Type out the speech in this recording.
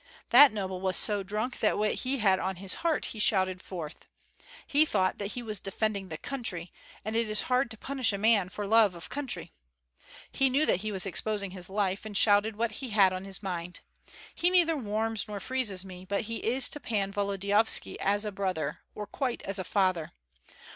That noble was so drunk that what he had on his heart he shouted forth. He thought that he was defending the country, and it is hard to punish a man for love of country. He knew that he was exposing his life, and shouted what he had on his mind. He neither warms nor freezes me, but he is to Pan Volodyovski as a brother, or quite as a father.